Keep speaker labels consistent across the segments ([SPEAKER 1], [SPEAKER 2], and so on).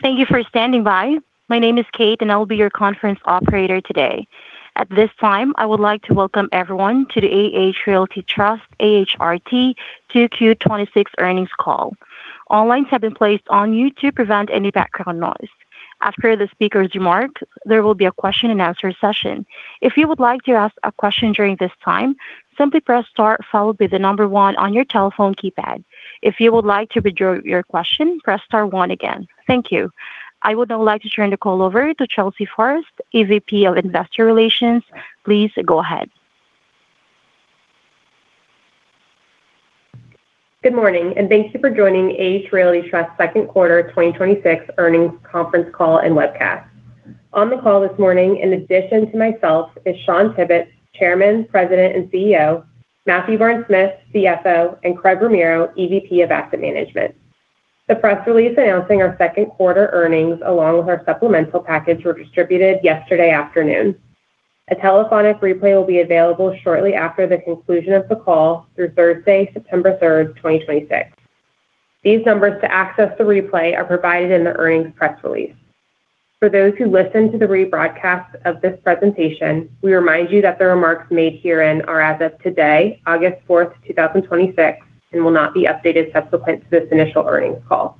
[SPEAKER 1] Thank you for standing by. My name is Kate and I will be your conference operator today. At this time, I would like to welcome everyone to the AH Realty Trust, AHRT, 2Q26 earnings call. All lines have been placed on mute to prevent any background noise. After the speakers remark, there will be a question and answer session. If you would like to ask a question during this time, simply press star followed by the number one on your telephone keypad. If you would like to withdraw your question, press star one again. Thank you. I would now like to turn the call over to Chelsea Forrest, EVP of Investor Relations. Please go ahead.
[SPEAKER 2] Good morning. Thank you for joining AH Realty Trust Second Quarter 2026 Earnings Conference Call and Webcast. On the call this morning, in addition to myself, is Shawn Tibbetts, Chairman, President, and CEO, Matthew Barnes-Smith, CFO, and Craig Ramiro, EVP of Asset Management. The press release announcing our second quarter earnings, along with our supplemental package, were distributed yesterday afternoon. A telephonic replay will be available shortly after the conclusion of the call through Thursday, September 3rd, 2026. These numbers to access the replay are provided in the earnings press release. For those who listen to the rebroadcast of this presentation, we remind you that the remarks made herein are as of today, August 4th, 2026, and will not be updated subsequent to this initial earnings call.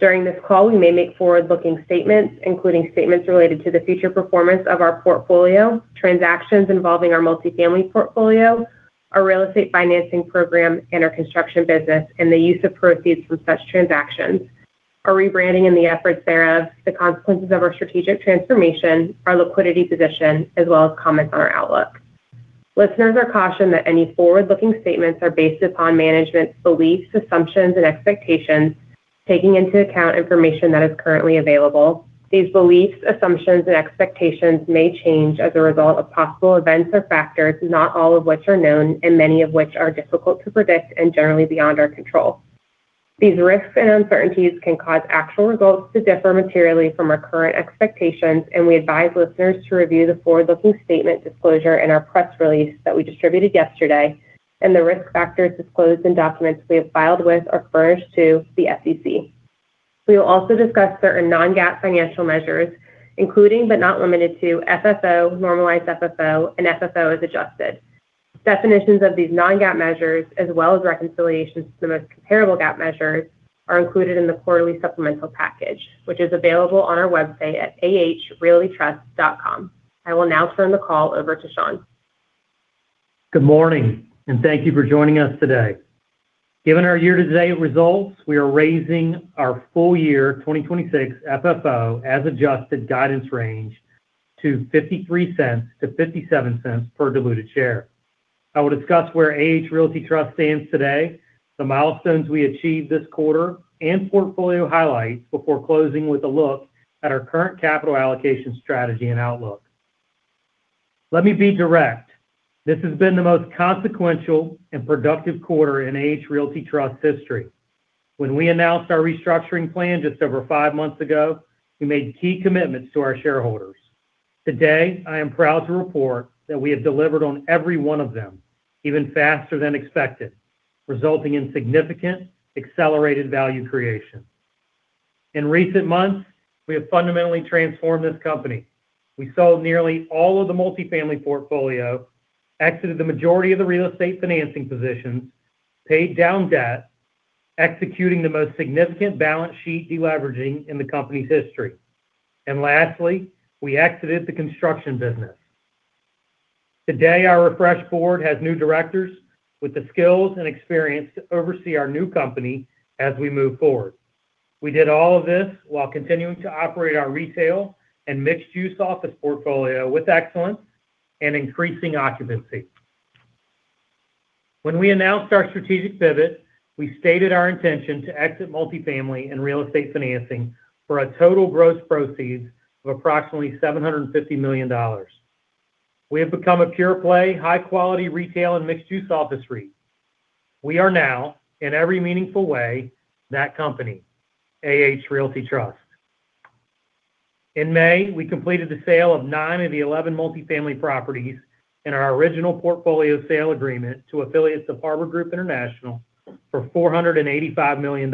[SPEAKER 2] During this call, we may make forward-looking statements, including statements related to the future performance of our portfolio, transactions involving our multifamily portfolio, our real estate financing program, and our construction business, and the use of proceeds from such transactions, our rebranding and the efforts thereof, the consequences of our strategic transformation, our liquidity position, as well as comments on our outlook. Listeners are cautioned that any forward-looking statements are based upon management's beliefs, assumptions, and expectations, taking into account information that is currently available. These beliefs, assumptions, and expectations may change as a result of possible events or factors, not all of which are known, and many of which are difficult to predict and generally beyond our control. These risks and uncertainties can cause actual results to differ materially from our current expectations. We advise listeners to review the forward-looking statement disclosure in our press release that we distributed yesterday and the risk factors disclosed in documents we have filed with or furnished to the SEC. We will also discuss certain non-GAAP financial measures, including but not limited to FFO, normalized FFO, and FFO as adjusted. Definitions of these non-GAAP measures, as well as reconciliations to the most comparable GAAP measures, are included in the quarterly supplemental package, which is available on our website at ahrealtytrust.com. I will now turn the call over to Shawn.
[SPEAKER 3] Good morning. Thank you for joining us today. Given our year-to-date results, we are raising our full year 2026 FFO as adjusted guidance range to $0.53 to $0.57 per diluted share. I will discuss where AH Realty Trust stands today, some milestones we achieved this quarter, and portfolio highlights before closing with a look at our current capital allocation strategy and outlook. Let me be direct. This has been the most consequential and productive quarter in AH Realty Trust history. When we announced our restructuring plan just over five months ago, we made key commitments to our shareholders. Today, I am proud to report that we have delivered on every one of them even faster than expected, resulting in significant accelerated value creation. In recent months, we have fundamentally transformed this company. We sold nearly all of the multifamily portfolio, exited the majority of the real estate financing positions, paid down debt, executing the most significant balance sheet de-leveraging in the company's history. Lastly, we exited the construction business. Today, our refreshed board has new directors with the skills and experience to oversee our new company as we move forward. We did all of this while continuing to operate our retail and mixed-use office portfolio with excellence and increasing occupancy. When we announced our strategic pivot, we stated our intention to exit multifamily and real estate financing for a total gross proceeds of approximately $750 million. We have become a pure play, high-quality retail and mixed-use office REIT. We are now, in every meaningful way, that company, AH Realty Trust. In May, we completed the sale of nine of the 11 multifamily properties in our original portfolio sale agreement to affiliates of Harbor Group International for $485 million.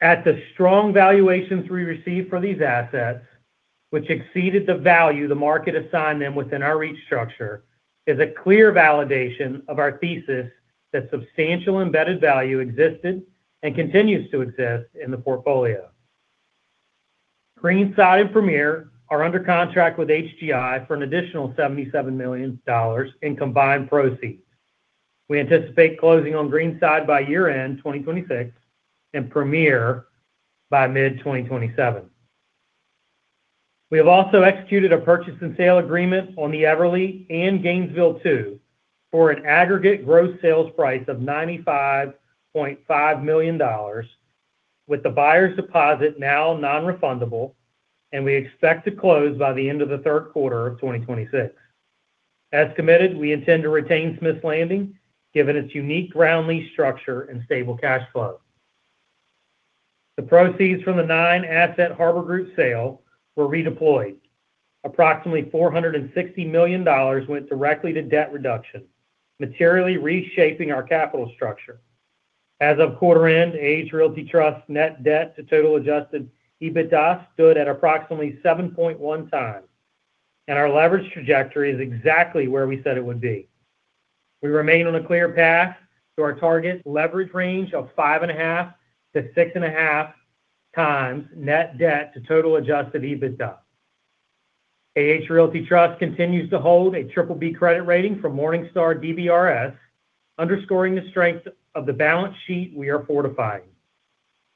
[SPEAKER 3] At the strong valuations we received for these assets, which exceeded the value the market assigned them within our REIT structure, is a clear validation of our thesis that substantial embedded value existed and continues to exist in the portfolio. Greenside and Premier are under contract with HGI for an additional $77 million in combined proceeds. We anticipate closing on Greenside by year-end 2026 and Premier by mid-2027. We have also executed a purchase and sale agreement on The Everly and Solis Gainesville for an aggregate gross sales price of $95.5 million with the buyer's deposit now non-refundable, and we expect to close by the end of the third quarter of 2026. As committed, we intend to retain Smith's Landing given its unique ground lease structure and stable cash flow. The proceeds from the nine asset Harbor Group sale were redeployed. Approximately $460 million went directly to debt reduction, materially reshaping our capital structure. As of quarter end, AH Realty Trust net debt to total Adjusted EBITDA stood at approximately 7.1x, and our leverage trajectory is exactly where we said it would be. We remain on a clear path to our target leverage range of 5.5-6.5x net debt to total Adjusted EBITDA. AH Realty Trust continues to hold a BBB credit rating from Morningstar DBRS, underscoring the strength of the balance sheet we are fortifying.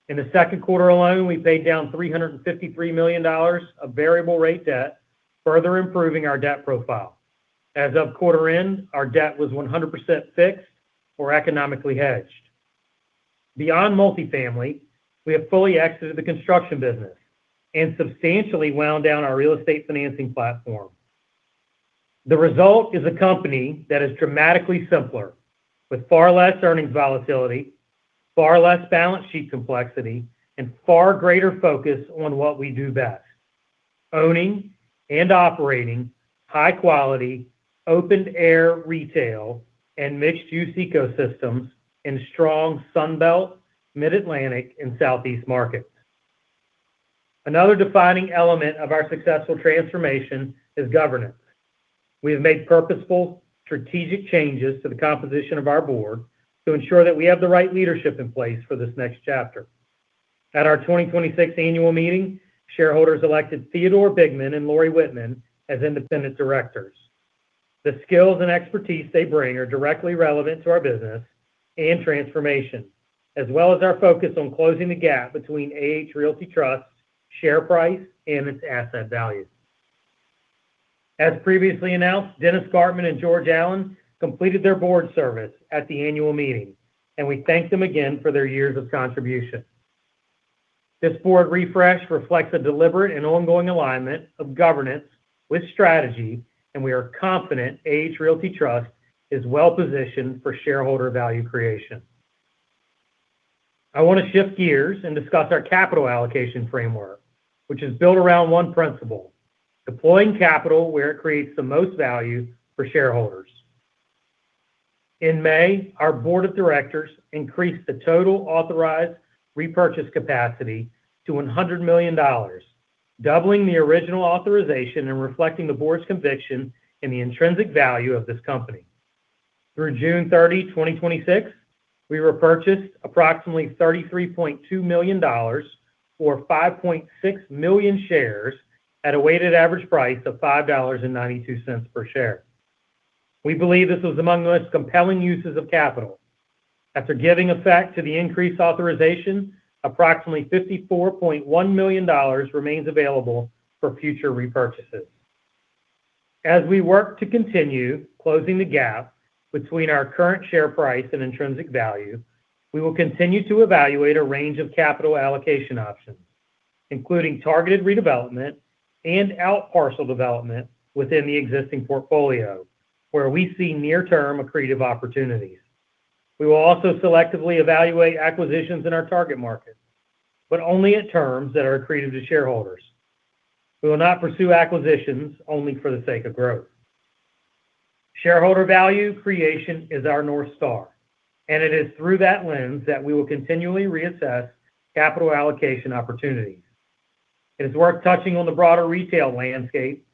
[SPEAKER 3] In the second quarter alone, we paid down $353 million of variable rate debt, further improving our debt profile. As of quarter end, our debt was 100% fixed or economically hedged. Beyond multifamily, we have fully exited the construction business and substantially wound down our real estate financing platform. The result is a company that is dramatically simpler with far less earnings volatility, far less balance sheet complexity, and far greater focus on what we do best: owning and operating high-quality, open air retail and mixed-use ecosystems in strong Sun Belt, Mid-Atlantic, and Southeast markets. Another defining element of our successful transformation is governance. We have made purposeful, strategic changes to the composition of our board to ensure that we have the right leadership in place for this next chapter. At our 2026 annual meeting, shareholders elected Theodore Bigman and Lori Wittman as independent directors. The skills and expertise they bring are directly relevant to our business and transformation, as well as our focus on closing the gap between AH Realty Trust share price and its asset value. As previously announced, Dennis Gartman and George Allen completed their board service at the annual meeting. We thank them again for their years of contribution. This board refresh reflects a deliberate and ongoing alignment of governance with strategy, and we are confident AH Realty Trust is well positioned for shareholder value creation. I want to shift gears and discuss our capital allocation framework, which is built around one principle: deploying capital where it creates the most value for shareholders. In May, our board of directors increased the total authorized repurchase capacity to $100 million, doubling the original authorization and reflecting the board's conviction in the intrinsic value of this company. Through June 30, 2026, we repurchased approximately $33.2 million, or 5.6 million shares at a weighted average price of $5.92 per share. We believe this was among the most compelling uses of capital. After giving effect to the increased authorization, approximately $54.1 million remains available for future repurchases. As we work to continue closing the gap between our current share price and intrinsic value, we will continue to evaluate a range of capital allocation options, including targeted redevelopment and out parcel development within the existing portfolio where we see near-term accretive opportunities. We will also selectively evaluate acquisitions in our target market, only at terms that are accretive to shareholders. We will not pursue acquisitions only for the sake of growth. Shareholder value creation is our North Star, it is through that lens that we will continually reassess capital allocation opportunities. It is worth touching on the broader retail landscape.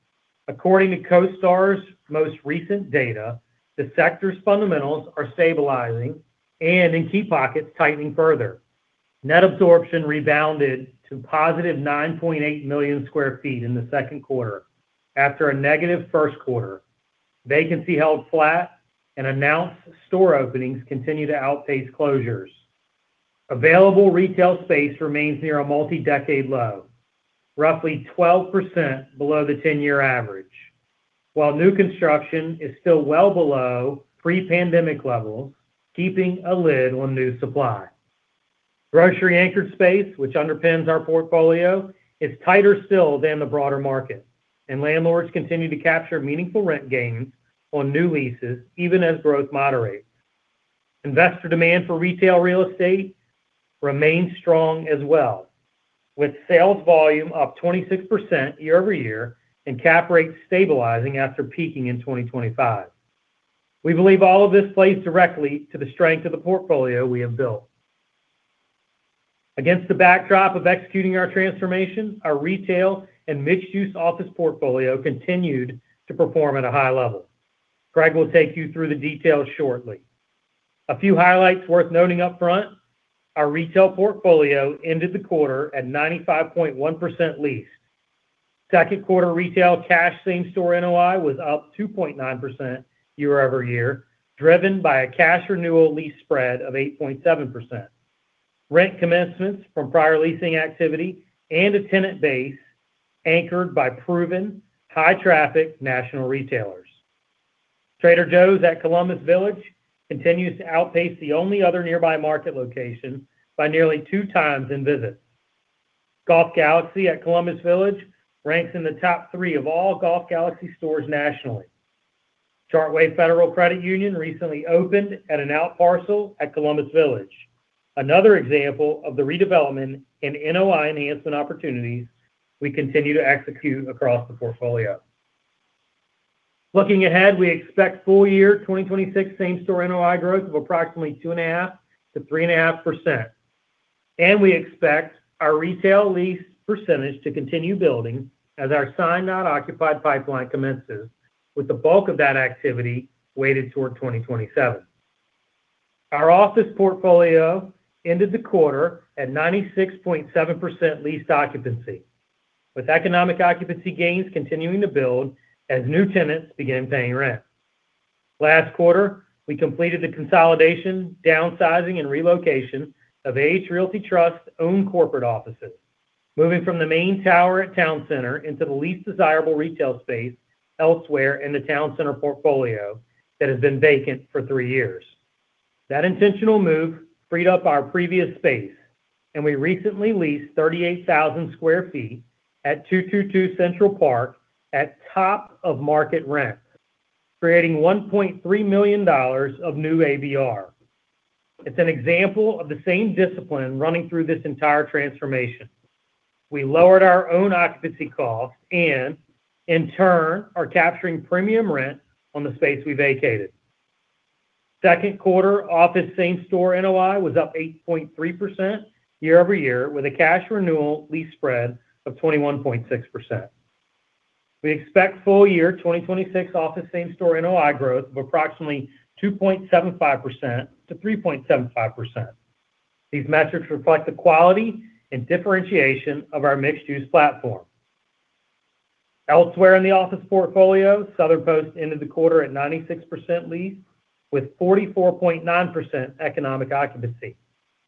[SPEAKER 3] According to CoStar's most recent data, the sector's fundamentals are stabilizing and in key pockets tightening further. Net absorption rebounded to positive 9.8 million sq ft in the second quarter after a negative first quarter. Announced store openings continue to outpace closures. Available retail space remains near a multi-decade low, roughly 12% below the 10-year average. While new construction is still well below pre-pandemic levels, keeping a lid on new supply. Grocery anchored space, which underpins our portfolio, is tighter still than the broader market. Landlords continue to capture meaningful rent gains on new leases, even as growth moderates. Investor demand for retail real estate remains strong as well, with sales volume up 26% year-over-year and cap rates stabilizing after peaking in 2025. We believe all of this plays directly to the strength of the portfolio we have built. Against the backdrop of executing our transformation, our retail and mixed-use office portfolio continued to perform at a high level. Craig will take you through the details shortly. A few highlights worth noting up front. Our retail portfolio ended the quarter at 95.1% leased. Second quarter retail cash same store NOI was up 2.9% year-over-year, driven by a cash renewal lease spread of 8.7%. Rent commencements from prior leasing activity and a tenant base anchored by proven high traffic national retailers. Trader Joe's at Columbus Village continues to outpace the only other nearby market location by nearly two times in visits. Golf Galaxy at Columbus Village ranks in the top three of all Golf Galaxy stores nationally. Chartway Federal Credit Union recently opened at an outparcel at Columbus Village. Another example of the redevelopment and NOI enhancement opportunities we continue to execute across the portfolio. Looking ahead, we expect full year 2026 same store NOI growth of approximately 2.5%-3.5%. We expect our retail lease percentage to continue building as our signed not occupied pipeline commences, with the bulk of that activity weighted toward 2027. Our office portfolio ended the quarter at 96.7% leased occupancy, with economic occupancy gains continuing to build as new tenants began paying rent. Last quarter, we completed the consolidation, downsizing, and relocation of AH Realty Trust's own corporate offices, moving from the main tower at Town Center into the least desirable retail space elsewhere in the Town Center portfolio that has been vacant for three years. That intentional move freed up our previous space. We recently leased 38,000 sq ft at 222 Central Park at top of market rent, creating $1.3 million of new ABR. It's an example of the same discipline running through this entire transformation. We lowered our own occupancy costs and, in turn, are capturing premium rent on the space we vacated. Second quarter office same store NOI was up 8.3% year-over-year, with a cash renewal lease spread of 21.6%. We expect full year 2026 office same store NOI growth of approximately 2.75%-3.75%. These metrics reflect the quality and differentiation of our mixed-use platform. Elsewhere in the office portfolio, Southern Post ended the quarter at 96% leased, with 44.9% economic occupancy.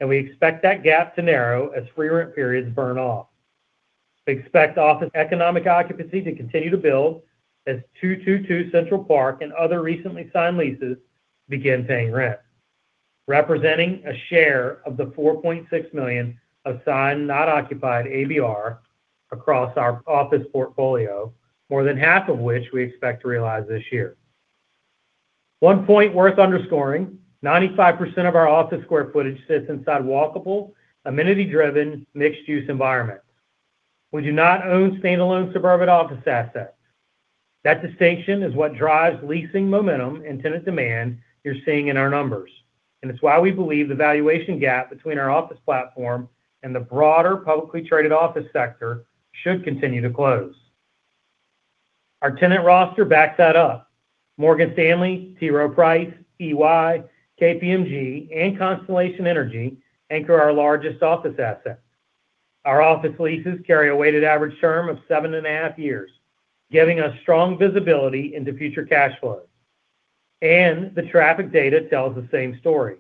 [SPEAKER 3] We expect that gap to narrow as free rent periods burn off. We expect office economic occupancy to continue to build as 222 Central Park and other recently signed leases begin paying rent. Representing a share of the $4.6 million of signed not occupied ABR across our office portfolio, more than half of which we expect to realize this year. One point worth underscoring, 95% of our office square footage sits inside walkable, amenity-driven, mixed-use environments. We do not own standalone suburban office assets. That distinction is what drives leasing momentum and tenant demand you're seeing in our numbers. It's why we believe the valuation gap between our office platform and the broader publicly traded office sector should continue to close. Our tenant roster backs that up. Morgan Stanley, T. Rowe Price, EY, KPMG, and Constellation Energy anchor our largest office assets. Our office leases carry a weighted average term of seven and a half years, giving us strong visibility into future cash flows. The traffic data tells the same story.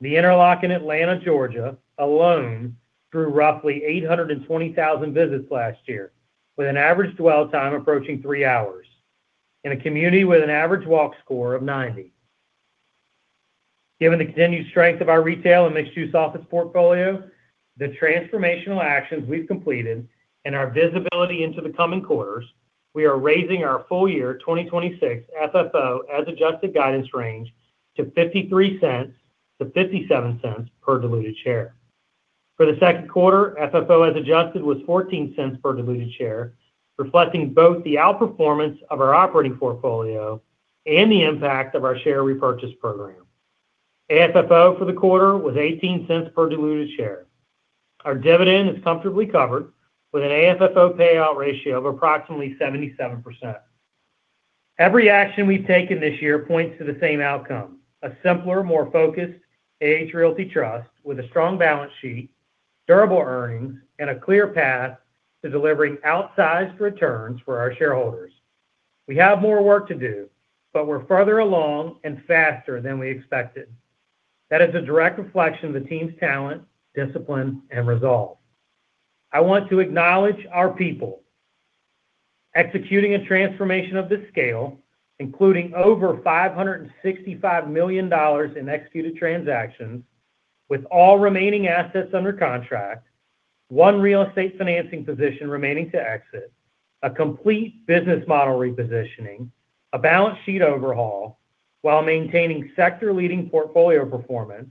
[SPEAKER 3] The Interlock in Atlanta, Georgia, alone drew roughly 820,000 visits last year, with an average dwell time approaching 3 hours, in a community with an average walk score of 90. Given the continued strength of our retail and mixed-use office portfolio, the transformational actions we've completed, and our visibility into the coming quarters, we are raising our full year 2026 FFO as adjusted guidance range to $0.53-$0.57 per diluted share. For the second quarter, FFO as adjusted was $0.14 per diluted share, reflecting both the outperformance of our operating portfolio and the impact of our share repurchase program. AFFO for the quarter was $0.18 per diluted share. Our dividend is comfortably covered with an AFFO payout ratio of approximately 77%. Every action we've taken this year points to the same outcome, a simpler, more focused AH Realty Trust with a strong balance sheet, durable earnings, and a clear path to delivering outsized returns for our shareholders. We have more work to do, but we're further along and faster than we expected. That is a direct reflection of the team's talent, discipline, and resolve. I want to acknowledge our people. Executing a transformation of this scale, including over $565 million in executed transactions, with all remaining assets under contract, one real estate financing position remaining to exit, a complete business model repositioning, a balance sheet overhaul, while maintaining sector-leading portfolio performance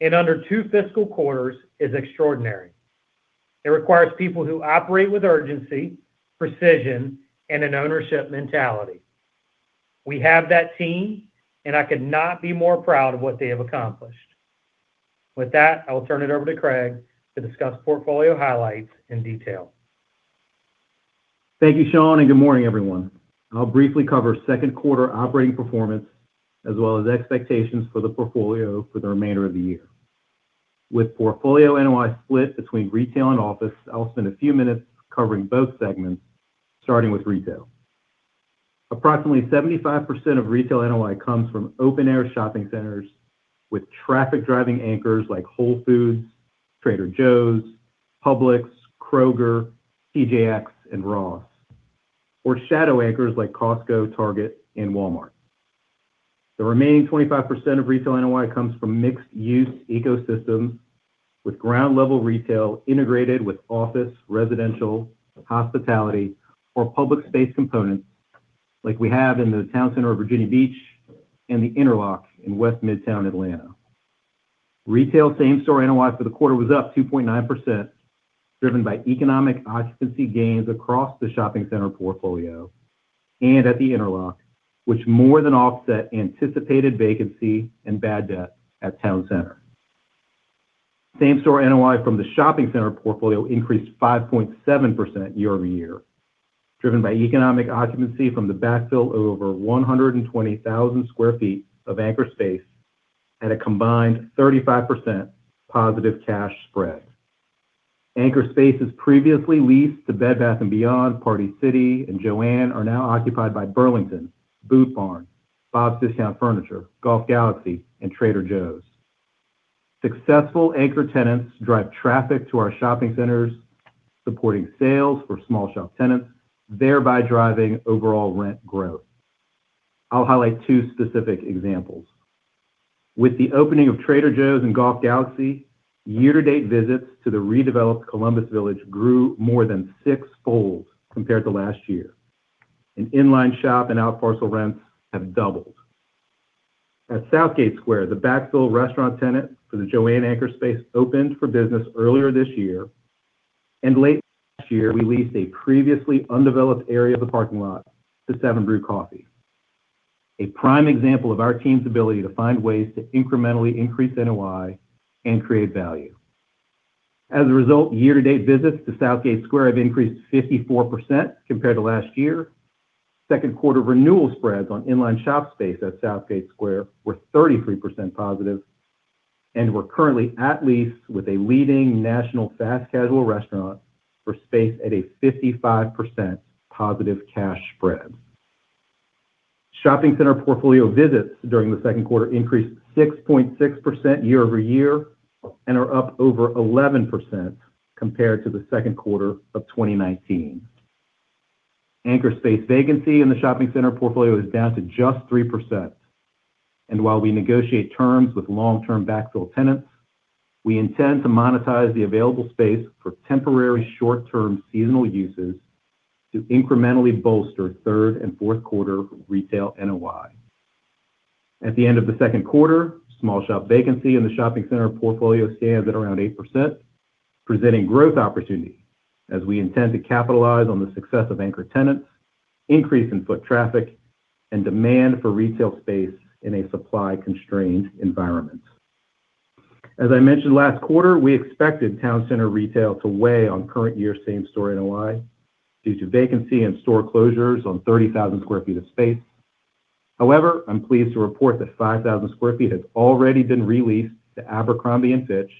[SPEAKER 3] in under two fiscal quarters is extraordinary. It requires people who operate with urgency, precision, and an ownership mentality. We have that team, and I could not be more proud of what they have accomplished. With that, I will turn it over to Craig to discuss portfolio highlights in detail.
[SPEAKER 4] Thank you, Shawn, and good morning, everyone. I'll briefly cover second quarter operating performance as well as expectations for the portfolio for the remainder of the year. With portfolio NOI split between retail and office, I'll spend a few minutes covering both segments, starting with retail. Approximately 75% of retail NOI comes from open air shopping centers with traffic-driving anchors like Whole Foods, Trader Joe's, Publix, Kroger, TJX, and Ross. Or shadow anchors like Costco, Target, and Walmart. The remaining 25% of retail NOI comes from mixed use ecosystem with ground level retail integrated with office, residential, hospitality, or public space components like we have in the Town Center of Virginia Beach and The Interlock in West Midtown Atlanta. Retail same store NOI for the quarter was up 2.9%, driven by economic occupancy gains across the shopping center portfolio and at The Interlock, which more than offset anticipated vacancy and bad debt at Town Center. Same store NOI from the shopping center portfolio increased 5.7% year-over-year, driven by economic occupancy from the backfill of over 120,000 sq ft of anchor space at a combined 35% positive cash spread. Anchor spaces previously leased to Bed Bath & Beyond, Party City, and Joann are now occupied by Burlington, Boot Barn, Bob's Discount Furniture, Golf Galaxy, and Trader Joe's. Successful anchor tenants drive traffic to our shopping centers, supporting sales for small shop tenants, thereby driving overall rent growth. I'll highlight two specific examples. With the opening of Trader Joe's and Golf Galaxy, year-to-date visits to the redeveloped Columbus Village grew more than sixfold compared to last year, and inline shop and out parcel rents have doubled. At Southgate Square, the backfill restaurant tenant for the Joann anchor space opened for business earlier this year. Late last year, we leased a previously undeveloped area of the parking lot to 7 Brew Coffee. A prime example of our team's ability to find ways to incrementally increase NOI and create value. As a result, year-to-date visits to Southgate Square have increased 54% compared to last year. Second quarter renewal spreads on inline shop space at Southgate Square were 33%+, and we're currently at lease with a leading national fast casual restaurant for space at a 55% positive cash spread. Shopping center portfolio visits during the second quarter increased 6.6% year-over-year and are up over 11% compared to the second quarter of 2019. Anchor space vacancy in the shopping center portfolio is down to just 3%. While we negotiate terms with long-term backfill tenants, we intend to monetize the available space for temporary short-term seasonal uses to incrementally bolster third and fourth quarter retail NOI. At the end of the second quarter, small shop vacancy in the shopping center portfolio stands at around 8%, presenting growth opportunities as we intend to capitalize on the success of anchor tenants, increase in foot traffic, and demand for retail space in a supply-constrained environment. As I mentioned last quarter, we expected Town Center retail to weigh on current year same store NOI due to vacancy and store closures on 30,000 sq ft of space. I'm pleased to report that 5,000 sq ft has already been re-leased to Abercrombie & Fitch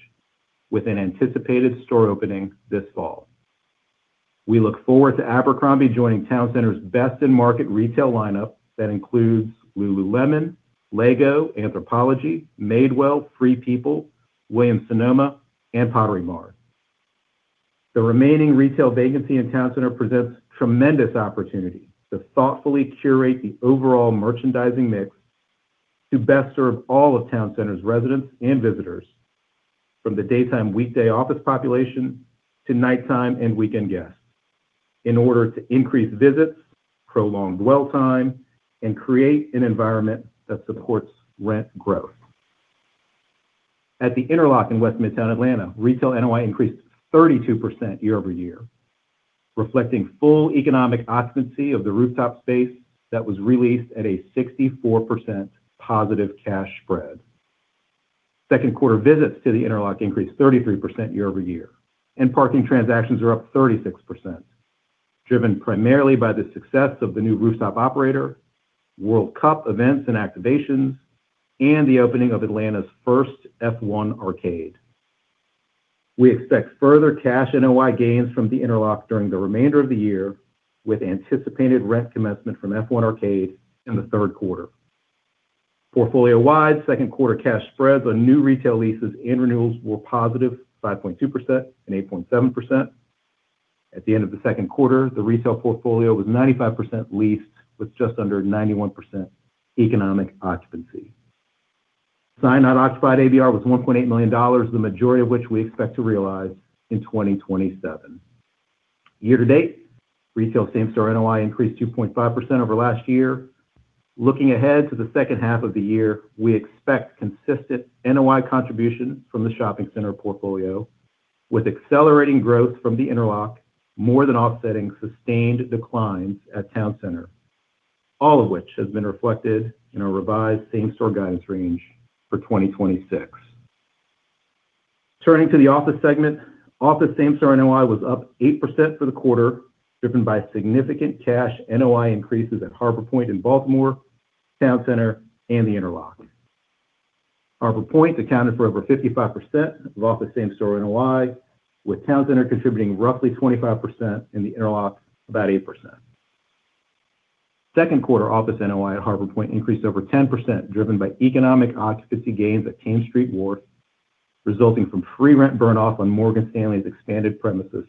[SPEAKER 4] with an anticipated store opening this fall. We look forward to Abercrombie joining Town Center's best-in-market retail lineup that includes Lululemon, Lego, Anthropologie, Madewell, Free People, Williams-Sonoma, and Pottery Barn. The remaining retail vacancy in Town Center presents tremendous opportunity to thoughtfully curate the overall merchandising mix to best serve all of Town Center's residents and visitors from the daytime weekday office population to nighttime and weekend guests in order to increase visits, prolong dwell time, and create an environment that supports rent growth. At The Interlock in West Midtown Atlanta, retail NOI increased 32% year-over-year, reflecting full economic occupancy of the rooftop space that was re-leased at a 64% positive cash spread. Second quarter visits to The Interlock increased 33% year-over-year, and parking transactions are up 36%, driven primarily by the success of the new rooftop operator, World Cup events and activations, and the opening of Atlanta's first F1 Arcade. We expect further cash NOI gains from The Interlock during the remainder of the year with anticipated rent commencement from F1 Arcade in the third quarter. Portfolio-wide, second quarter cash spreads on new retail leases and renewals were positive 5.2% and 8.7%. At the end of the second quarter, the retail portfolio was 95% leased with just under 91% economic occupancy. Signed non-occupied ABR was $1.8 million, the majority of which we expect to realize in 2027. Year-to-date, retail same store NOI increased 2.5% over last year. Looking ahead to the second half of the year, we expect consistent NOI contribution from the shopping center portfolio, with accelerating growth from The Interlock more than offsetting sustained declines at Town Center. All of which has been reflected in our revised same store guidance range for 2026. Turning to the office segment. Office same store NOI was up 8% for the quarter, driven by significant cash NOI increases at Harbor Point in Baltimore, Town Center, and The Interlock. Harbor Point accounted for over 55% of office same store NOI, with Town Center contributing roughly 25% and The Interlock about 8%. Second quarter office NOI at Harbor Point increased over 10%, driven by economic occupancy gains at Thames Street Wharf resulting from free rent burn off on Morgan Stanley's expanded premises,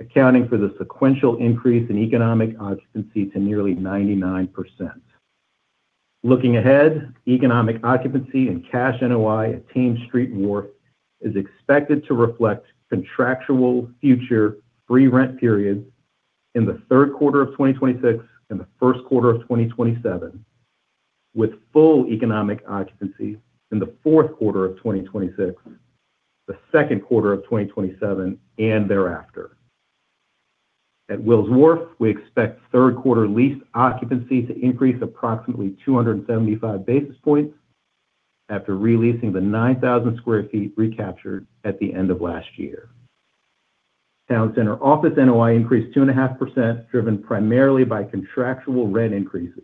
[SPEAKER 4] accounting for the sequential increase in economic occupancy to nearly 99%. Looking ahead, economic occupancy and cash NOI at Thames Street Wharf is expected to reflect contractual future free rent periods in the third quarter of 2026 and the first quarter of 2027, with full economic occupancy in the fourth quarter of 2026, the second quarter of 2027, and thereafter. At Wills Wharf, we expect third quarter lease occupancy to increase approximately 275 basis points after re-leasing the 9,000 sq ft recaptured at the end of last year. Town Center office NOI increased 2.5%, driven primarily by contractual rent increases.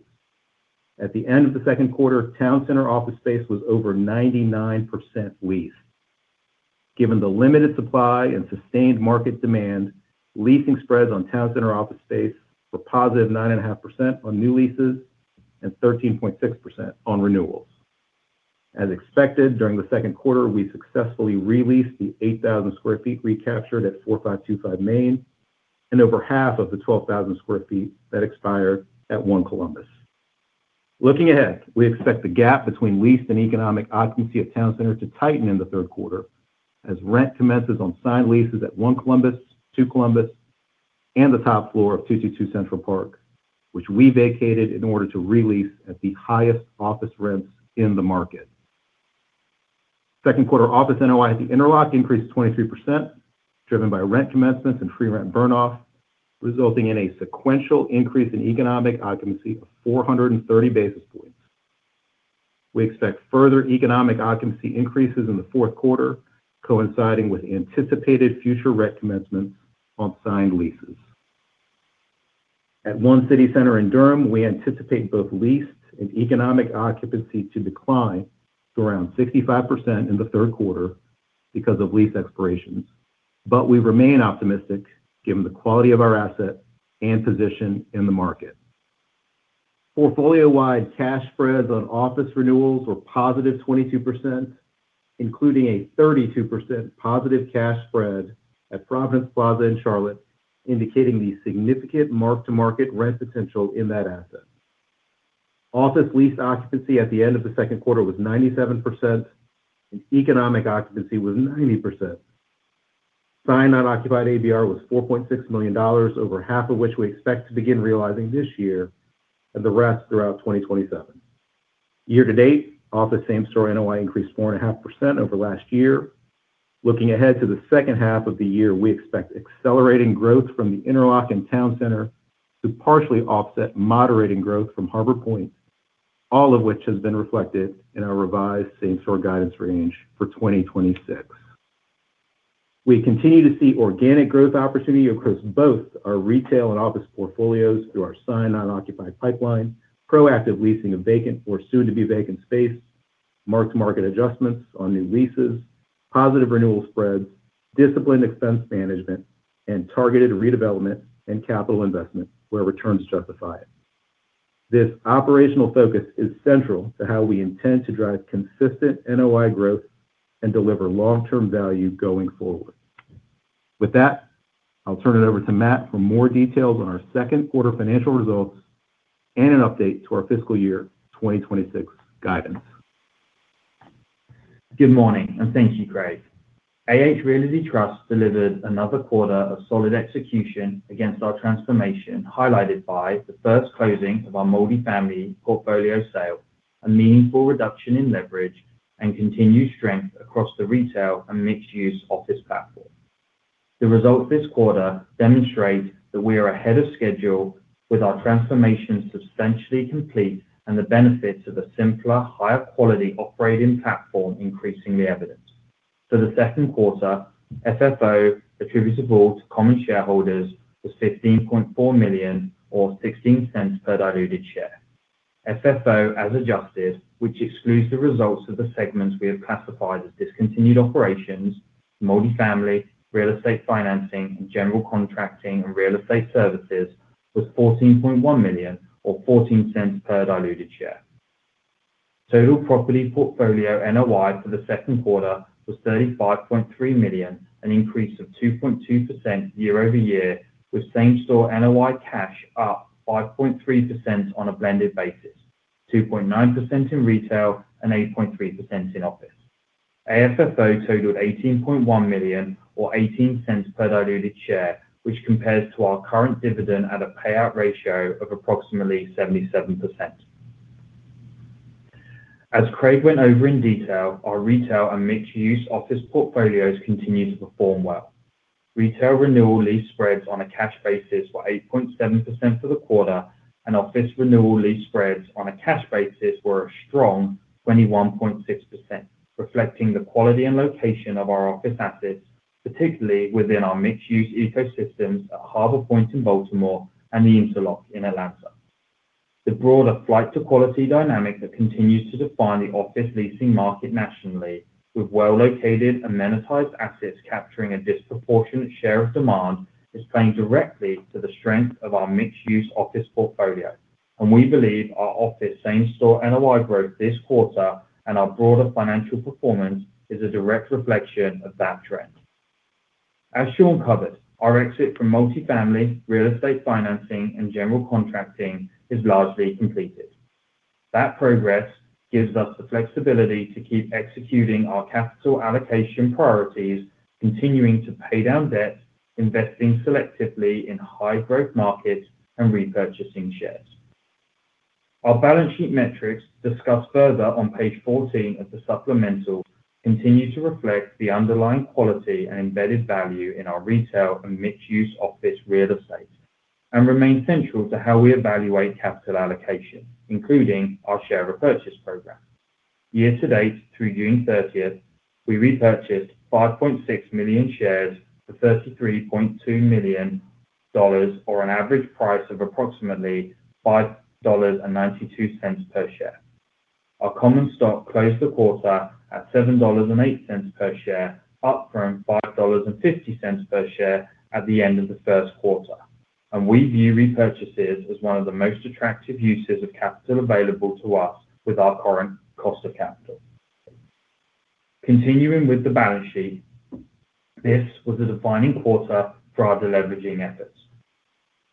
[SPEAKER 4] At the end of the second quarter, Town Center office space was over 99% leased. Given the limited supply and sustained market demand, leasing spreads on Town Center office space were +9.5% on new leases and 13.6% on renewals. As expected, during the second quarter, we successfully re-leased the 8,000 sq ft recaptured at 4525 Main and over half of the 12,000 sq ft that expired at One Columbus. Looking ahead, we expect the gap between leased and economic occupancy at Town Center to tighten in the third quarter as rent commences on signed leases at One Columbus, Two Columbus, and the top floor of 222 Central Park, which we vacated in order to re-lease at the highest office rents in the market. Second quarter office NOI at The Interlock increased 23%, driven by rent commencements and free rent burn off, resulting in a sequential increase in economic occupancy of 430 basis points. We expect further economic occupancy increases in the fourth quarter, coinciding with anticipated future rent commencements on signed leases. At One City Center in Durham, we anticipate both leased and economic occupancy to decline to around 65% in the third quarter because of lease expirations, but we remain optimistic given the quality of our asset and position in the market. Portfolio-wide cash spreads on office renewals were +22%, including a 32% positive cash spread at Province Plaza in Charlotte, indicating the significant mark-to-market rent potential in that asset. Office lease occupancy at the end of the second quarter was 97%, and economic occupancy was 90%. Signed non-occupied ABR was $4.6 million, over half of which we expect to begin realizing this year, and the rest throughout 2027. Year-to-date, office same store NOI increased 4.5% over last year. Looking ahead to the second half of the year, we expect accelerating growth from the Interlock and Town Center to partially offset moderating growth from Harbor Point, all of which has been reflected in our revised same store guidance range for 2026. We continue to see organic growth opportunity across both our retail and office portfolios through our signed non-occupied pipeline, proactive leasing of vacant or soon-to-be vacant space, mark-to-market adjustments on new leases, positive renewal spreads, disciplined expense management, and targeted redevelopment and capital investment where returns justify it. This operational focus is central to how we intend to drive consistent NOI growth and deliver long-term value going forward. With that, I'll turn it over to Matt for more details on our second quarter financial results and an update to our fiscal year 2026 guidance.
[SPEAKER 5] Good morning, and thank you, Craig. AH Realty Trust delivered another quarter of solid execution against our transformation, highlighted by the first closing of our multifamily portfolio sale, a meaningful reduction in leverage, and continued strength across the retail and mixed-use office platform. The result this quarter demonstrates that we are ahead of schedule with our transformation substantially complete and the benefits of a simpler, higher quality operating platform increasingly evident. For the second quarter, FFO attributable to common shareholders was $15.4 million or $0.16 per diluted share. FFO as adjusted, which excludes the results of the segments we have classified as discontinued operations, multifamily, real estate financing, and general contracting and real estate services, was $14.1 million or $0.14 per diluted share. Total property portfolio NOI for the second quarter was $35.3 million, an increase of 2.2% year-over-year, with same store NOI cash up 5.3% on a blended basis, 2.9% in retail and 8.3% in office. AFFO totaled $18.1 million or $0.18 per diluted share, which compares to our current dividend at a payout ratio of approximately 77%. As Craig went over in detail, our retail and mixed-use office portfolios continue to perform well. Retail renewal lease spreads on a cash basis were 8.7% for the quarter, and office renewal lease spreads on a cash basis were a strong 21.6%, reflecting the quality and location of our office assets, particularly within our mixed-use ecosystems at Harbor Point in Baltimore and the Interlock in Atlanta. The broader flight to quality dynamic that continues to define the office leasing market nationally, with well-located, amenitized assets capturing a disproportionate share of demand, is playing directly to the strength of our mixed-use office portfolio. We believe our office same-store NOI growth this quarter and our broader financial performance is a direct reflection of that trend. As Shawn covered, our exit from multifamily, real estate financing, and general contracting is largely completed. That progress gives us the flexibility to keep executing our capital allocation priorities, continuing to pay down debt, investing selectively in high growth markets, and repurchasing shares. Our balance sheet metrics, discussed further on page 14 of the supplemental, continue to reflect the underlying quality and embedded value in our retail and mixed-use office real estate and remain central to how we evaluate capital allocation, including our share repurchase program. Year-to-date through June 30, we repurchased 5.6 million shares for $33.2 million, or an average price of approximately $5.92 per share. Our common stock closed the quarter at $7.08 per share, up from $5.50 per share at the end of the first quarter. We view repurchases as one of the most attractive uses of capital available to us with our current cost of capital. Continuing with the balance sheet, this was a defining quarter for our de-leveraging efforts.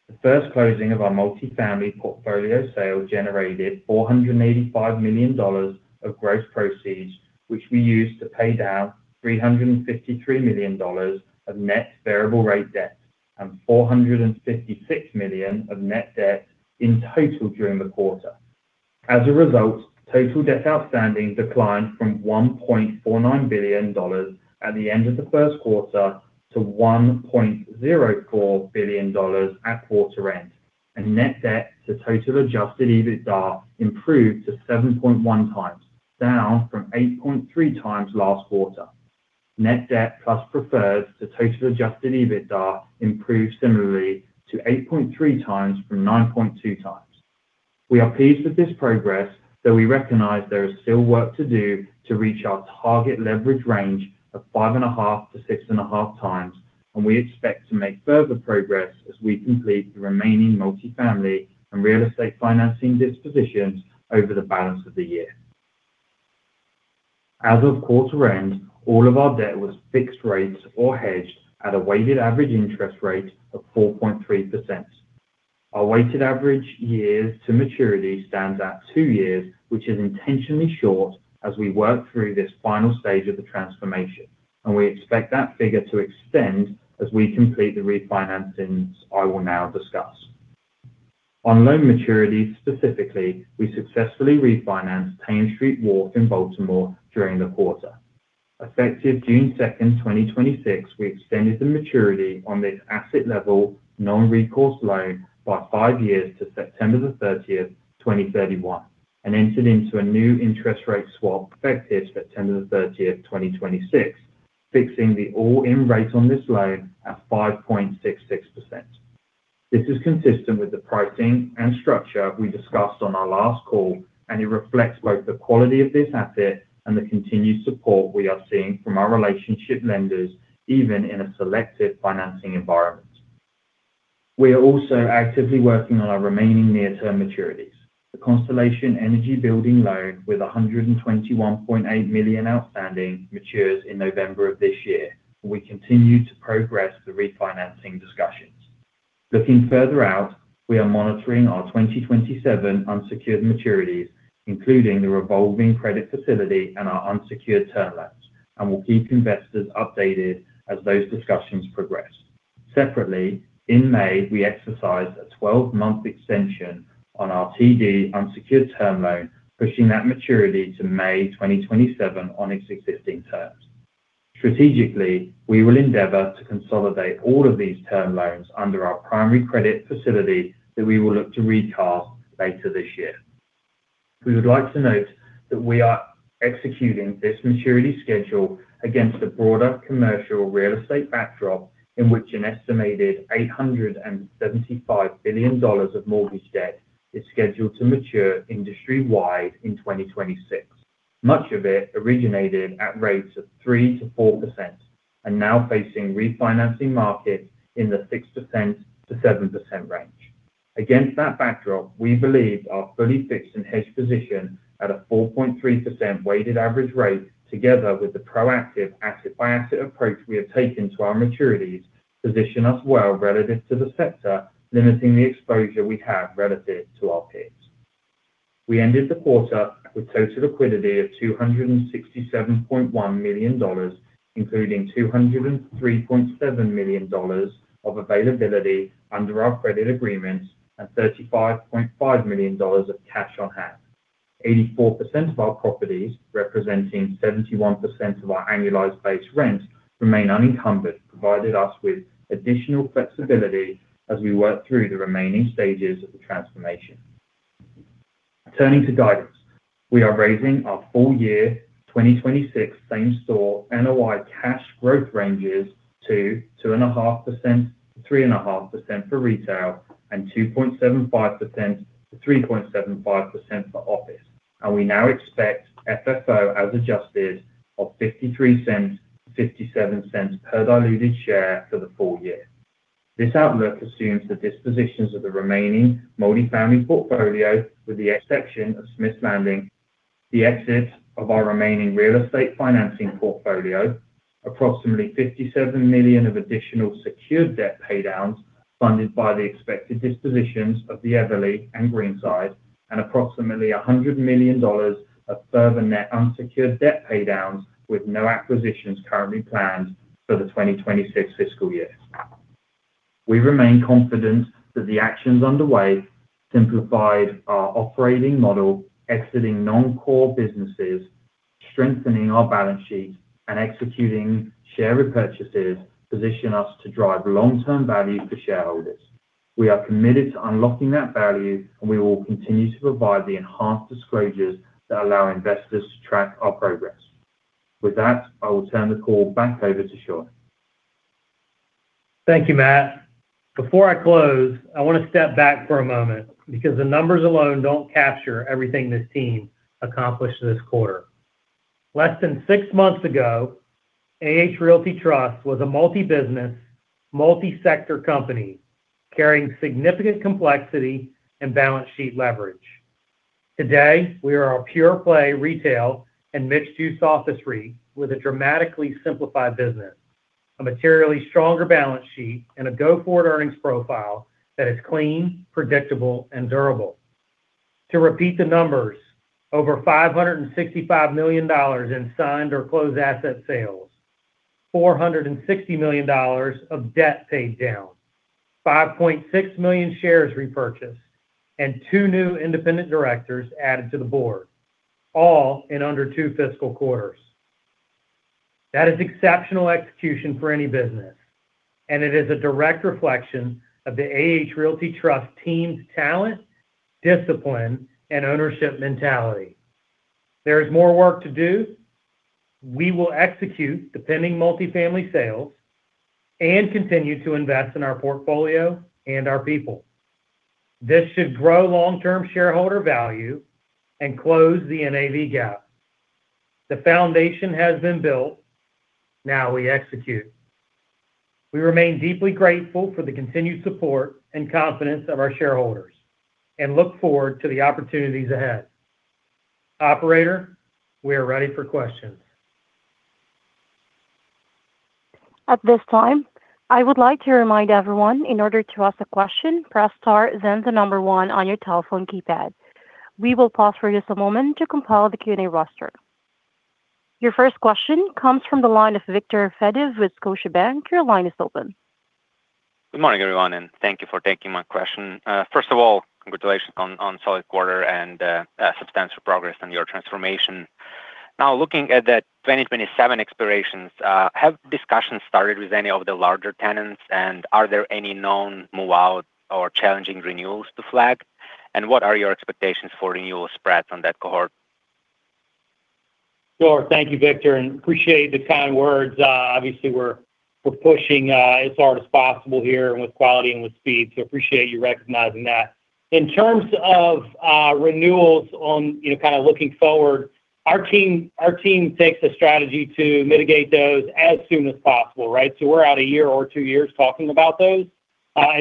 [SPEAKER 5] The first closing of our multifamily portfolio sale generated $485 million of gross proceeds, which we used to pay down $353 million of net variable-rate debt and $456 million of net debt in total during the quarter. As a result, total debt outstanding declined from $1.49 billion at the end of the first quarter to $1.04 billion at quarter end, and net debt to total Adjusted EBITDA improved to 7.1x, down from 8.3x last quarter. Net debt plus preferred to total Adjusted EBITDA improved similarly to 8.3x from 9.2x. We are pleased with this progress, though we recognize there is still work to do to reach our target leverage range of 5.5-6.5x, and we expect to make further progress as we complete the remaining multifamily and real estate financing dispositions over the balance of the year. As of quarter end, all of our debt was fixed-rates or hedged at a weighted average interest rate of 4.3%. Our weighted average years to maturity stands at two years, which is intentionally short as we work through this final stage of the transformation, and we expect that figure to extend as we complete the refinancings I will now discuss. On loan maturity, specifically, we successfully refinanced Thames Street Wharf in Baltimore during the quarter. Effective June 2, 2026, we extended the maturity on this asset-level non-recourse loan by five years to September 30, 2031, and entered into a new interest rate swap effective September 30, 2026, fixing the all-in rate on this loan at 5.66%. This is consistent with the pricing and structure we discussed on our last call, and it reflects both the quality of this asset and the continued support we are seeing from our relationship lenders, even in a selective financing environment. We are also actively working on our remaining near-term maturities. The Constellation Energy building loan, with $121.8 million outstanding, matures in November of this year. We continue to progress the refinancing discussions. Looking further out, we are monitoring our 2027 unsecured maturities, including the revolving credit facility and our unsecured term loans, and will keep investors updated as those discussions progress. Separately, in May, we exercised a 12-month extension on our TD unsecured term loan, pushing that maturity to May 2027 on its existing terms. Strategically, we will endeavor to consolidate all of these term loans under our primary credit facility that we will look to recast later this year. We would like to note that we are executing this maturity schedule against the broader commercial real estate backdrop in which an estimated $875 billion of mortgage debt is scheduled to mature industry-wide in 2026, much of it originated at rates of 3%-4% and now facing refinancing markets in the 6%-7% range. Against that backdrop, we believe our fully fixed and hedged position at a 4.3% weighted average rate, together with the proactive asset-by-asset approach we have taken to our maturities, position us well relative to the sector, limiting the exposure we have relative to our peers. We ended the quarter with total liquidity of $267.1 million, including $203.7 million of availability under our credit agreements and $35.5 million of cash on hand. 84% of our properties, representing 71% of our annualized base rent, remain unencumbered, provided us with additional flexibility as we work through the remaining stages of the transformation. Turning to guidance, we are raising our full year 2026 same-store NOI cash growth ranges to 2.5%-3.5% for retail and 2.75%-3.75% for office. We now expect FFO as adjusted of $0.53-$0.57 per diluted share for the full year. This outlook assumes the dispositions of the remaining multifamily portfolio with the exception of Smith's Landing, the exit of our remaining real estate financing portfolio, approximately $57 million of additional secured debt paydowns funded by the expected dispositions of The Everly and Greenside, and approximately $100 million of further net unsecured debt paydowns, with no acquisitions currently planned for the 2026 fiscal year. We remain confident that the actions underway simplified our operating model, exiting non-core businesses, strengthening our balance sheet, and executing share repurchases position us to drive long-term value for shareholders. We are committed to unlocking that value, and we will continue to provide the enhanced disclosures that allow investors to track our progress. With that, I will turn the call back over to Shawn.
[SPEAKER 3] Thank you, Matt. Before I close, I want to step back for a moment because the numbers alone don't capture everything this team accomplished this quarter. Less than six months ago, AH Realty Trust was a multi-business, multi-sector company carrying significant complexity and balance sheet leverage. Today, we are a pure play retail and mixed-use office REIT with a dramatically simplified business, a materially stronger balance sheet, and a go-forward earnings profile that is clean, predictable, and durable. To repeat the numbers, over $565 million in signed or closed asset sales, $460 million of debt paid down, 5.6 million shares repurchased, and two new independent directors added to the board, all in under two fiscal quarters. That is exceptional execution for any business, and it is a direct reflection of the AH Realty Trust team's talent, discipline, and ownership mentality. There is more work to do. We will execute the pending multifamily sales and continue to invest in our portfolio and our people. This should grow long-term shareholder value and close the NAV gap. The foundation has been built. Now we execute. We remain deeply grateful for the continued support and confidence of our shareholders and look forward to the opportunities ahead. Operator, we are ready for questions.
[SPEAKER 1] At this time, I would like to remind everyone, in order to ask a question, press star, then the number one on your telephone keypad. We will pause for just a moment to compile the Q&A roster. Your first question comes from the line of Viktor Fediv with Scotiabank. Your line is open.
[SPEAKER 6] Good morning, everyone, and thank you for taking my question. First of all, congratulations on a solid quarter and substantial progress on your transformation. Looking at the 2027 expirations, have discussions started with any of the larger tenants, and are there any known move-out or challenging renewals to flag? What are your expectations for renewal spreads on that cohort?
[SPEAKER 3] Sure. Thank you, Viktor, and appreciate the kind words. Obviously, we're pushing as hard as possible here with quality and with speed, appreciate you recognizing that. In terms of renewals on kind of looking forward, our team takes a strategy to mitigate those as soon as possible, right? We're out a year or two years talking about those.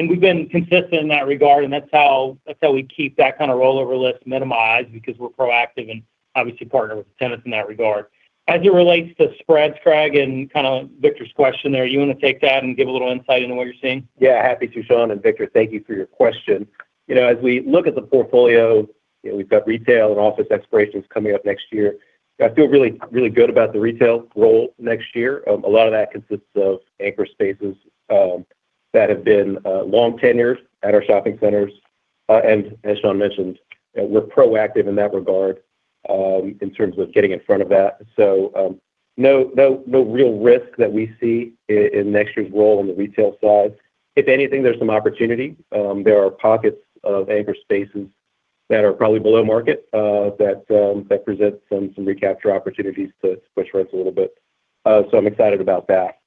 [SPEAKER 3] We've been consistent in that regard, and that's how we keep that kind of rollover list minimized because we're proactive and obviously partner with the tenants in that regard. As it relates to spreads, Craig, and kind of Viktor's question there, you want to take that and give a little insight into what you're seeing?
[SPEAKER 4] Yeah, happy to. Shawn and Viktor, thank you for your question. As we look at the portfolio, we've got retail and office expirations coming up next year. I feel really good about the retail role next year. A lot of that consists of anchor spaces that have been long tenured at our shopping centers. As Shawn mentioned, we're proactive in that regard in terms of getting in front of that. No real risk that we see in next year's role on the retail side. If anything, there's some opportunity. There are pockets of anchor spaces that are probably below market that present some recapture opportunities to push rents a little bit. I'm excited about that.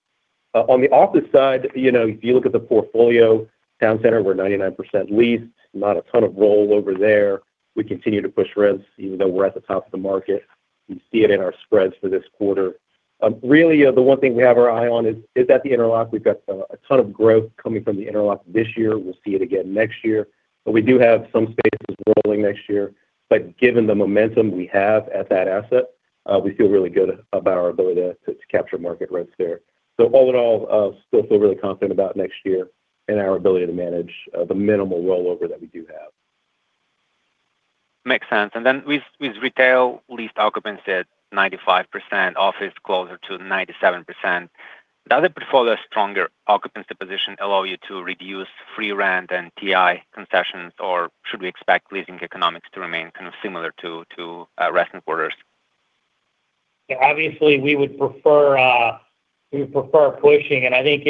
[SPEAKER 4] On the office side, if you look at the portfolio, Town Center, we're 99% leased. Not a ton of rollover there. We continue to push rents even though we're at the top of the market. You see it in our spreads for this quarter. Really, the one thing we have our eye on is at The Interlock. We've got a ton of growth coming from The Interlock this year. We'll see it again next year. We do have some spaces rolling next year. Given the momentum we have at that asset, we feel really good about our ability to capture market rents there. All in all, still feel really confident about next year and our ability to manage the minimal rollover that we do have.
[SPEAKER 6] Makes sense. Then with retail leased occupancy at 95%, office closer to 97%, does the portfolio stronger occupancy position allow you to reduce free rent and TI concessions, or should we expect leasing economics to remain kind of similar to recent quarters?
[SPEAKER 3] Yeah, obviously, we would prefer pushing. I think,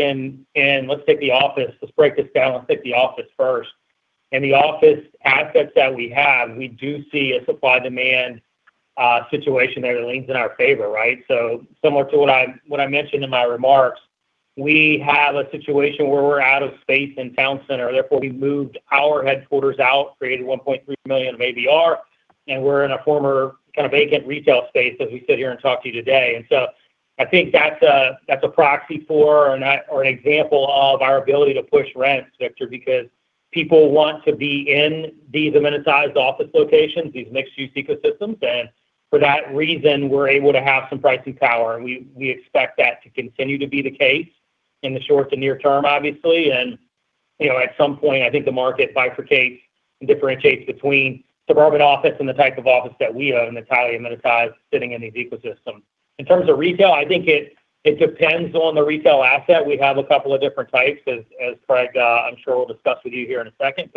[SPEAKER 3] let's take the office. Let's break this down. Let's take the office first. In the office assets that we have, we do see a supply/demand situation there that leans in our favor, right? Similar to what I mentioned in my remarks, we have a situation where we're out of space in Town Center. Therefore, we moved our headquarters out, created $1.3 million of ABR. We're in a former kind of vacant retail space as we sit here and talk to you today. I think that's a proxy for, or an example of our ability to push rents, Viktor, because people want to be in these amenitized office locations, these mixed-use ecosystems. For that reason, we're able to have some pricing power, and we expect that to continue to be the case in the short to near term, obviously. At some point, I think the market bifurcates and differentiates between suburban office and the type of office that we own that's highly amenitized sitting in these ecosystems. In terms of retail, I think it depends on the retail asset. We have a couple of different types as Craig, I'm sure, will discuss with you here in a second.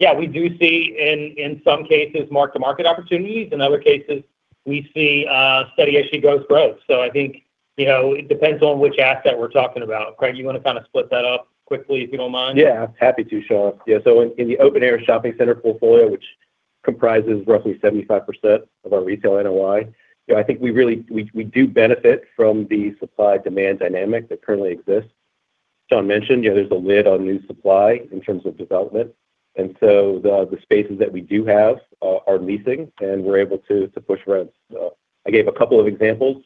[SPEAKER 3] Yeah, we do see in some cases mark-to-market opportunities. In other cases, we see steady as she goes growth. I think it depends on which asset we're talking about. Craig, you want to kind of split that up quickly, if you don't mind?
[SPEAKER 4] Yeah, happy to, Shawn. Yeah, in the open-air shopping center portfolio, which comprises roughly 75% of our retail NOI. I think we do benefit from the supply-demand dynamic that currently exists. Sean mentioned, there's a lid on new supply in terms of development. The spaces that we do have are leasing, and we're able to push rents. I gave a couple of examples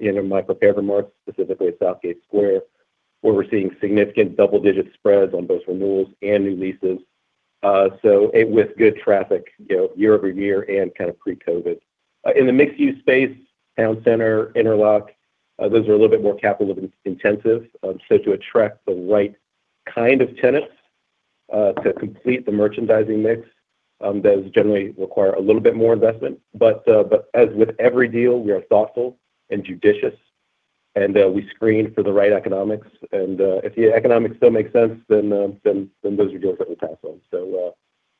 [SPEAKER 4] in my prepared remarks, specifically at Southgate Square, where we're seeing significant double-digit spreads on both renewals and new leases. With good traffic year-over-year and kind of pre-COVID. In the mixed use space, Town Center, Interlock, those are a little bit more capital intensive. To attract the right kind of tenants to complete the merchandising mix, those generally require a little bit more investment. As with every deal, we are thoughtful and judicious, and we screen for the right economics. If the economics don't make sense, then those are deals that we pass on.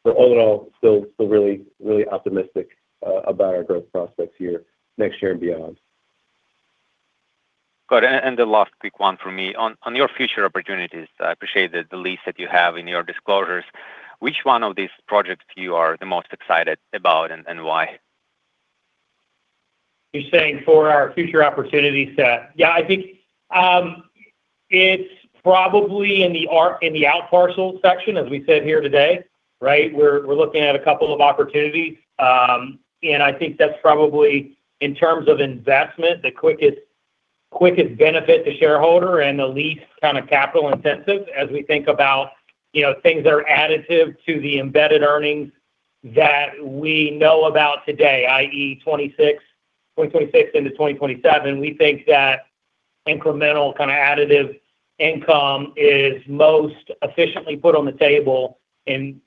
[SPEAKER 4] All in all, still really optimistic about our growth prospects here next year and beyond.
[SPEAKER 6] Good. The last quick one from me. On your future opportunities, I appreciate the lease that you have in your disclosures. Which one of these projects you are the most excited about, and why?
[SPEAKER 3] You're saying for our future opportunity set. I think it's probably in the outparcel section, as we said here today, right? We're looking at a couple of opportunities. I think that's probably in terms of investment, the quickest benefit to shareholder and the least kind of capital intensive as we think about things that are additive to the embedded earnings that we know about today, i.e., 2026 into 2027. We think that incremental kind of additive income is most efficiently put on the table in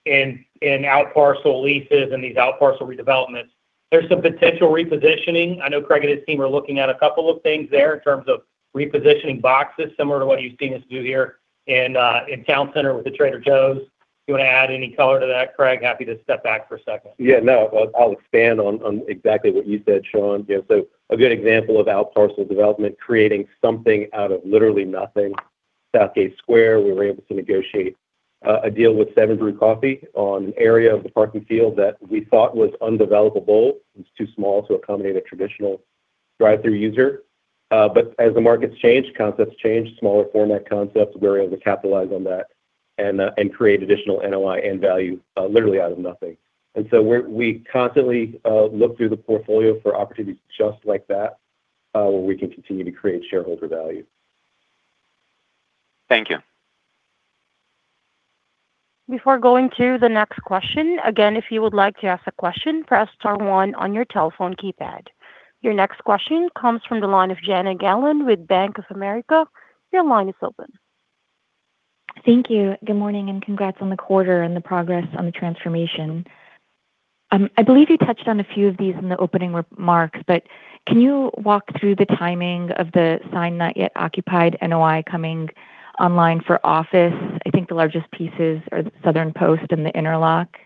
[SPEAKER 3] outparcel leases and these outparcel redevelopments. There's some potential repositioning. I know Craig and his team are looking at a couple of things there in terms of repositioning boxes, similar to what you've seen us do here in Town Center with the Trader Joe's. Do you want to add any color to that, Craig? Happy to step back for a second.
[SPEAKER 4] I'll expand on exactly what you said, Shawn. A good example of outparcel development creating something out of literally nothing. Southgate Square, we were able to negotiate a deal with 7 Brew Coffee on an area of the parking field that we thought was undevelopable. It's too small to accommodate a traditional drive-through user. As the markets change, concepts change, smaller format concepts, we were able to capitalize on that and create additional NOI and value literally out of nothing. We constantly look through the portfolio for opportunities just like that where we can continue to create shareholder value.
[SPEAKER 6] Thank you.
[SPEAKER 1] Before going to the next question, again, if you would like to ask a question, press star one on your telephone keypad. Your next question comes from the line of Jana Galan with Bank of America. Your line is open.
[SPEAKER 7] Thank you. Good morning, congrats on the quarter and the progress on the transformation. I believe you touched on a few of these in the opening remarks, Can you walk through the timing of the sign not yet occupied NOI coming online for office? I think the largest pieces are the Southern Post and the Interlock.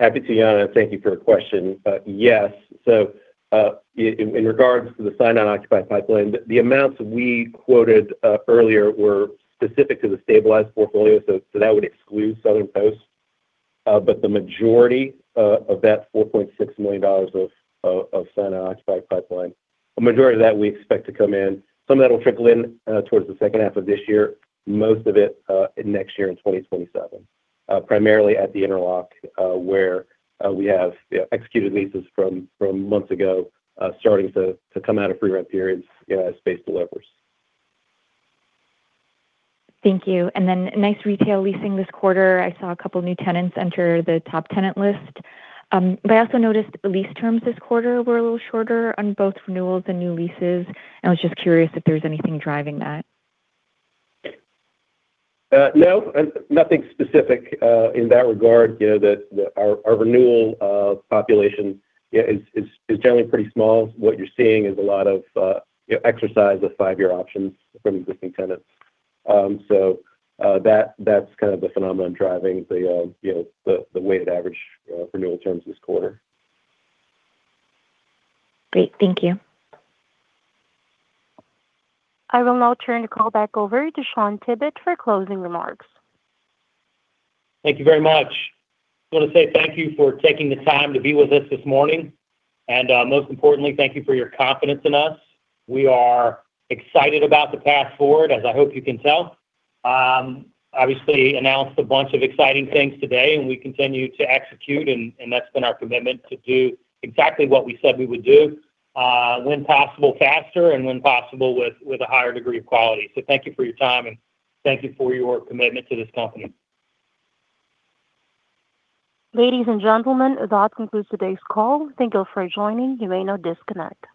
[SPEAKER 4] Happy to, Jana. Thank you for your question. Yes. In regards to the sign not occupied pipeline, the amounts we quoted earlier were specific to the stabilized portfolio, that would exclude Southern Post. The majority of that $4.6 million of sign not occupied pipeline, a majority of that we expect to come in. Some of that will trickle in towards the second half of this year, most of it in next year in 2027. Primarily at the Interlock where we have executed leases from months ago starting to come out of free rent periods as space delivers.
[SPEAKER 7] Thank you. Nice retail leasing this quarter. I saw a couple new tenants enter the top tenant list. I also noticed lease terms this quarter were a little shorter on both renewals and new leases. I was just curious if there's anything driving that.
[SPEAKER 4] No. Nothing specific in that regard. Our renewal population is generally pretty small. What you're seeing is a lot of exercise of 5-year options from existing tenants. That's kind of the phenomenon driving the weighted average renewal terms this quarter.
[SPEAKER 7] Great. Thank you.
[SPEAKER 1] I will now turn the call back over to Shawn Tibbetts for closing remarks.
[SPEAKER 3] Thank you very much. I want to say thank you for taking the time to be with us this morning. Most importantly, thank you for your confidence in us. We are excited about the path forward, as I hope you can tell. Obviously announced a bunch of exciting things today, and we continue to execute, and that's been our commitment to do exactly what we said we would do. When possible, faster, and when possible, with a higher degree of quality. Thank you for your time, and thank you for your commitment to this company.
[SPEAKER 1] Ladies and gentlemen, that concludes today's call. Thank you for joining. You may now disconnect.